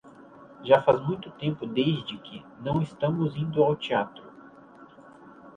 Já faz muito tempo desde que não estamos indo ao teatro.